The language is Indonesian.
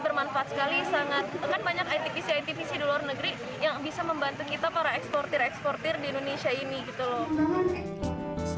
kan banyak itvc itvc di luar negeri yang bisa membantu kita para eksportir eksportir di indonesia ini gitu loh